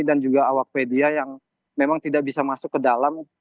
dan juga awakpedia yang memang tidak bisa masuk ke dalam